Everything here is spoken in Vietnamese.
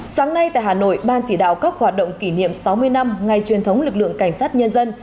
sáng nay tại hà nội ban chỉ đạo các hoạt động kỷ niệm sáu mươi năm ngày truyền thống lực lượng cảnh sát nhân dân